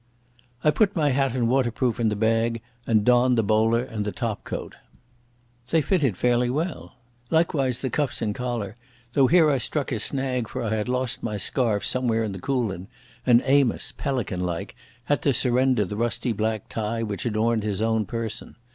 I put my hat and waterproof in the bag and donned the bowler and the top coat. They fitted fairly well. Likewise the cuffs and collar, though here I struck a snag, for I had lost my scarf somewhere in the Coolin, and Amos, pelican like, had to surrender the rusty black tie which adorned his own person.